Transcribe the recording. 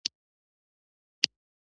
آیا د پښتورګو پیوند کیږي؟